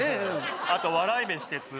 あと笑い飯哲夫